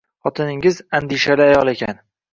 Xotiningiz, andishali ayol ekan